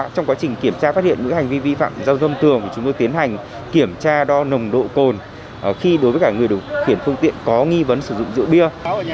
trong quá trình kiểm tra phát hiện những hành vi vi phạm giao thông tường thì chúng tôi tiến hành kiểm tra đo nồng độ cồn khi đối với cả người điều khiển phương tiện có nghi vấn sử dụng rượu bia